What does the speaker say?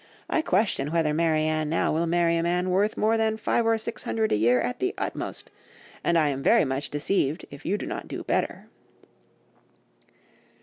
I question whether Marianne now will marry a man worth more than five or six hundred a year at the utmost, and I am very much deceived if you do not do better.